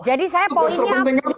jadi saya poinnya